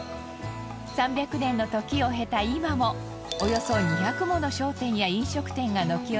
３００年の時を経た今もおよそ２００もの商店や飲食店が軒を連ね。